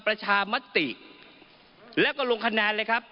ประชามติแล้วก็ลงคะแนนเลยครับ